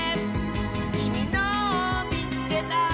「きみのをみつけた！」